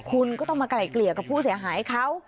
คุณก็ต้องมาไกล่เกลี่ยกับผู้เสียหายเขา